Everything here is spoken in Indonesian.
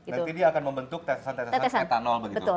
dan ini akan membentuk tetesan tetesan etanol